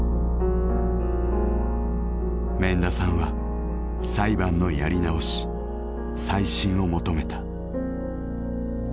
免田さんは裁判のやり直し再審を求めた。